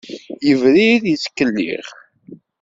Yebrir yettkellix!